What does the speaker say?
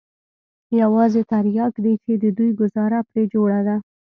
يوازې ترياک دي چې د دوى گوزاره پرې جوړه ده.